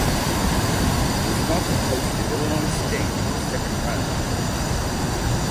Wisconsin hosted Illinois State in the second round.